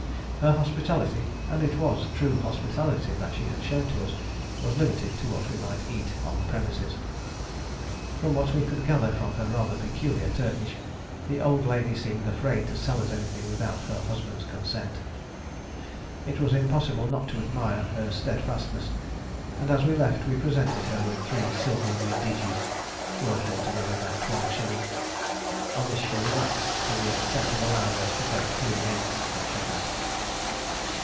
Her hospitality and it was true hospitality that she had shown to us was limited to what we might eat on the premises. From what we could gather from her rather peculiar Turkish, the old lady seemed afraid to sell us anything without her husband's consent. It was impossible not to admire her steadfastness, and as we left we presented her with three silver medjidies (worth altogether about twelve shillings). On this she relaxed to the extent of allowing us to take three eggs that she had.